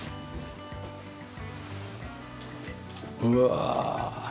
うわ。